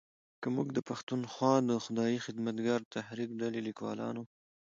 که موږ د پښتونخوا د خدایي خدمتګار د تحریک ډلې لیکوالانو